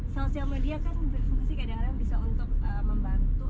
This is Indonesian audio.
sosial media kan berfungsi kadang kadang bisa untuk membantu